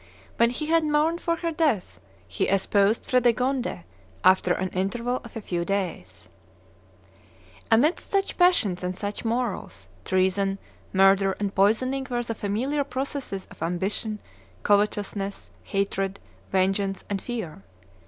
When he had mourned for her death, he espoused Fredegonde after an interval of a few days." (Gregory of Tours, IV. xxvi., xxviii.) Amidst such passions and such morals, treason, murder and poisoning were the familiar processes of ambition, covetousness, hatred, vengeance, and fear.